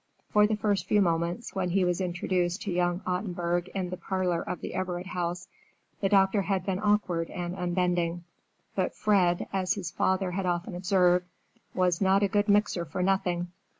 For the first few moments, when he was introduced to young Ottenburg in the parlor of the Everett House, the doctor had been awkward and unbending. But Fred, as his father had often observed, "was not a good mixer for nothing."